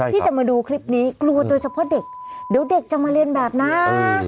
ที่จะมาดูคลิปนี้กลัวโดยเฉพาะเด็กเดี๋ยวเด็กจะมาเรียนแบบนะ